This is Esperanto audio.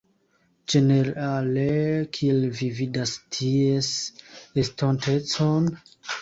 Ĝenerale kiel vi vidas ties estontecon?